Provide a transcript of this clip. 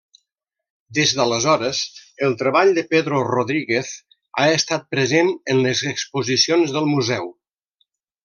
Des d’aleshores, el treball de Pedro Rodríguez ha estat present en les exposicions del Museu.